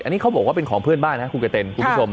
อันนี้เขาบอกว่าเป็นของเพื่อนบ้านครับคุณกระเตน